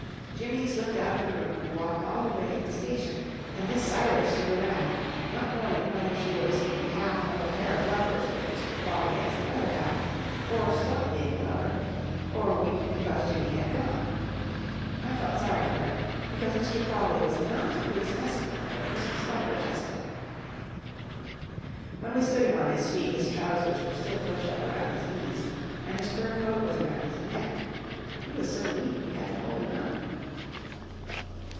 Jimmy slipped out of the room and walked all the way to the station, and Miss Seiler stood around, not knowing whether she was to be half of a pair of lovers with Mr. Prawley as the other half, or stop being a lover, or weep because Jimmy had gone. I felt sorry for her, because Mr. Prawley was not a good specimen of a Christmas lover just then. When we stood him on his feet his trousers were still pushed up around his knees, and his fur coat was around his neck. He was so weak we had to hold him up.